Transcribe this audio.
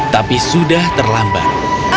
tapi sudah terlambat